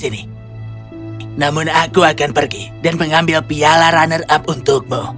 namun aku akan pergi dan mengambil piala runner up untukmu